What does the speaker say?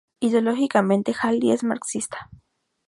Ideológicamente, Halley es marxista.